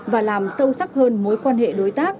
và làm sâu sắc hơn mối quan hệ đối tác